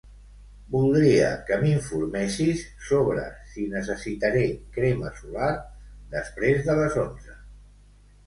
Voldria que m'informessis sobre si necessitaré crema solar després de les onze.